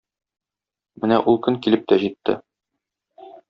Менә ул көн килеп тә җитте.